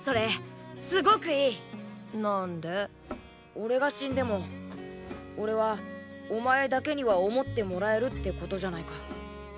俺が死んでも俺はお前だけには「想ってもらえる」ってことじゃないか。